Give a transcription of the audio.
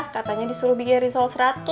katanya disuruh bikin risol seratus